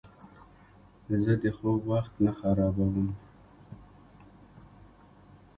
زه د خوب وخت نه خرابوم.